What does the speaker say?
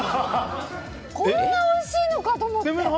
こんなおいしいのか！と思って。